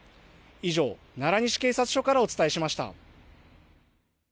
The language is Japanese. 以上、奈良西警察署からお伝えしました。